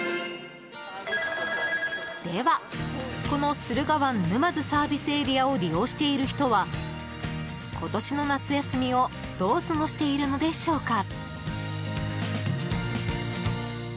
では、この駿河湾沼津ＳＡを利用している人は今年の夏休みをどう過ごしているのでしょうか？